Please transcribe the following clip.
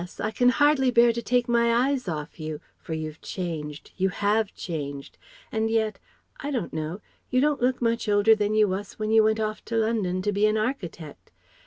I can hardly bear to take my eyes off you, for you've changed, you have changed. And yet, I don't know? You don't look much older than you wass when you went off to London to be an architect.